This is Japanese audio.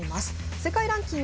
世界ランキング